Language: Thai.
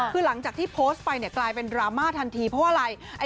คือหลังจากที่โพสต์ไปเนี่ยกลายเป็นดราม่าทันทีเพราะว่าอะไร